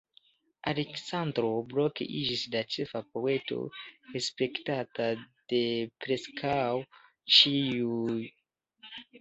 Aleksandro Blok iĝis la ĉefa poeto, respektata de preskaŭ ĉiuj.